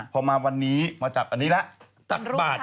พอมาวันนี้มาจับอันนี้ละ